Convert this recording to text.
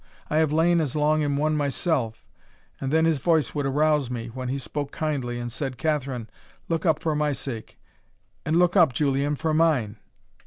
I have lain as long in one myself and then his voice would arouse me, when he spoke kindly, and said, Catherine, look up for my sake And look up, Julian, for mine!"